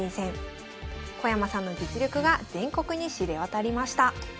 小山さんの実力が全国に知れ渡りました。